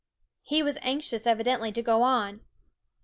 He was anxious, evidently, to go on.